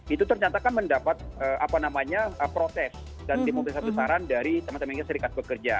itu ternyata kan mendapat apa namanya protes dan demokrasi besar dari teman teman yang di serikat bekerja